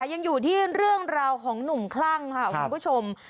ยังอยู่ที่เรื่องราวของหนุ่มคลั่งค่ะคุณผู้ชม